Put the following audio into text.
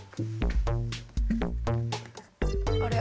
あれ？